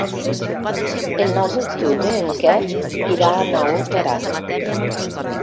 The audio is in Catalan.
El nou d'octubre en Quer irà a Naut Aran.